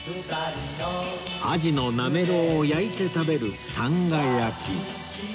アジのなめろうを焼いて食べるさんが焼